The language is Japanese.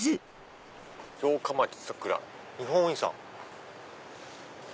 「城下町佐倉」「日本遺産」。